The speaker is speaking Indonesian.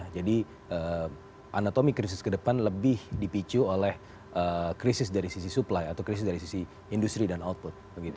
jadi anatomi krisis ke depan lebih dipicu oleh krisis dari sisi supply atau krisis dari sisi industri dan output